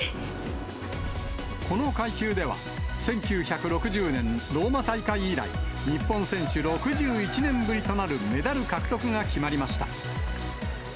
この階級では、１９６０年ローマ大会以来、日本選手６１年ぶりとなるメダル獲得が決まりました。